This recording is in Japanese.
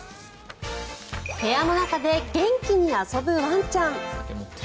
部屋の中で元気に遊ぶワンちゃん。